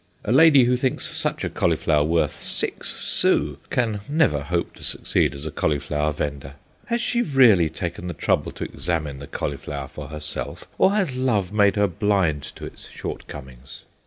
A lady who thinks such a cauliflower worth six sous can never hope to succeed as a cauliflower vendor. Has she really taken the trouble to examine the cauliflower for herself, or has love made her blind to its shortcomings?